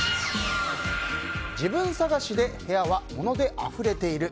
自分探しで部屋は物であふれている。